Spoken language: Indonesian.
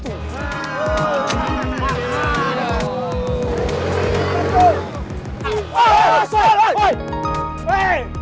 te renewal ini bagaimana